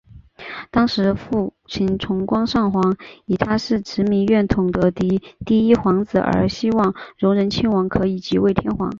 当时父亲崇光上皇以他是持明院统的嫡第一皇子而希望荣仁亲王可以即位为天皇。